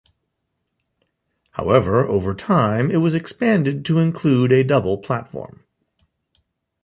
However, over time it was expanded to include a double platform.